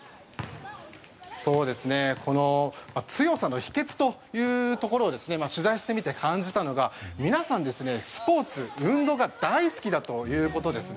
強さの秘訣というところを取材してみて感じたのが皆さん、スポーツ運動が大好きだということです。